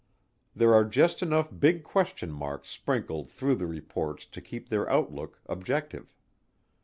There are just enough big question marks sprinkled through the reports to keep their outlook objective.